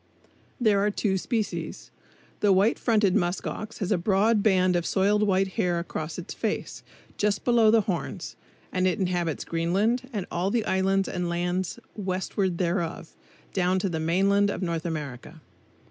There are two species. The White Fronted Musk ox has a broad band of soiled white hair across its face, just below the horns; and it inhabits Greenland and all the islands and lands westward thereof, down to the mainland of North America.